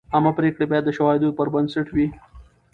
عامه پریکړې باید د شواهدو پر بنسټ وي.